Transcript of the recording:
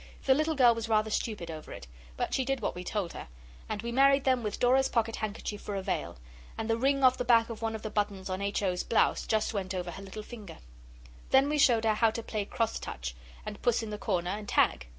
The little girl was rather stupid over it, but she did what we told her, and we married them with Dora's pocket handkerchief for a veil, and the ring off the back of one of the buttons on H. O.'s blouse just went on her little finger. Then we showed her how to play cross touch, and puss in the corner, and tag.